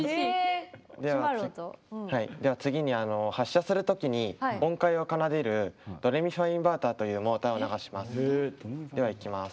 では次に発車するときに音階を奏でるドレミファインバーターというモーターを流します。